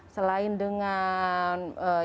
selain dengan yang saya bilang menjauhkan